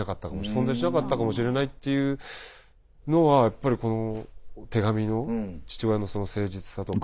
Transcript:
存在しなかったかもしれないっていうのはやっぱりこの手紙の父親のその誠実さとか。